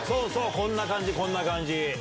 こんな感じこんな感じ。